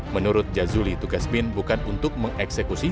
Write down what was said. menurut jazuli tugas bin bukan untuk mengeksekusi